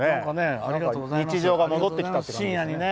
日常が戻ってきたというね。